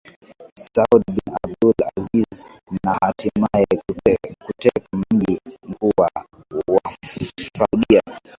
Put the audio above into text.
Saud bin Abdul Aziz na hatimaye kuteka mji mkuu wa Wasaudia